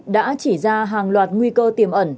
đã chỉ ra hàng loạt nguy cơ tiềm ẩn